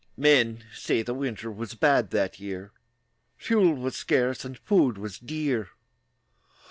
Men say the winter Was bad that year; Fuel was scarce, And food was dear.